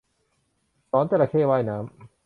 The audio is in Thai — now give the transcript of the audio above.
สอนจระเข้ว่ายน้ำ